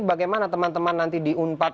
bagaimana teman teman nanti di unpad